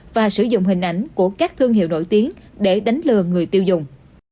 và sử dụng hình ảnh của các thương hiệu nổi tiếng để đánh lừa người tiêu dùng